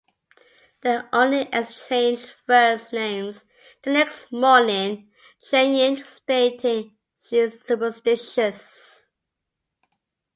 They only exchanged first names the next morning, Cheyenne stating she's superstitious.